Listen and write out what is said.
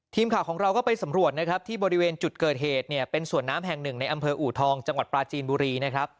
ทีมข่าวของเราก็ไปสำรวจนะครับที่บริเวณจุดเกิดเหตุเนี่ยเป็นสวนน้ำแห่งหนึ่งในอำเภออูทองจังหวัดปลาจีนบุรีนะครับ